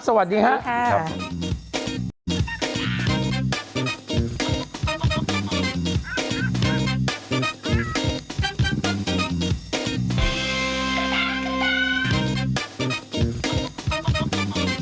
สวัสดีครับ